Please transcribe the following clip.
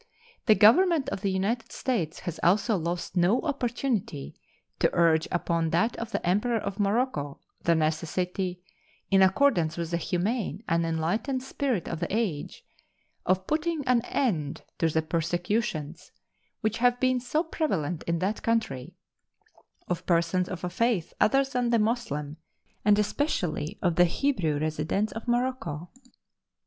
The Government of the United States has also lost no opportunity to urge upon that of the Emperor of Morocco the necessity, in accordance with the humane and enlightened spirit of the age, of putting an end to the persecutions, which have been so prevalent in that country, of persons of a faith other than the Moslem, and especially of the Hebrew residents of Morocco.